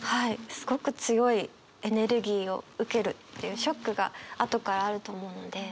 すごく強いエネルギーを受けるっていうショックが後からあると思うので。